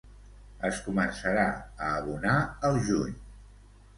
Es començarà a abonar al juny.